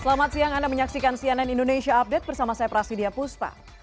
selamat siang anda menyaksikan cnn indonesia update bersama saya prasidya puspa